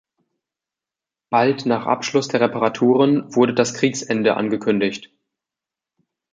Bald nach Abschluss der Reparaturen wurde das Kriegsende angekündigt.